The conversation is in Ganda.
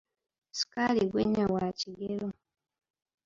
Ssukaali gwe nnywa wa kigero.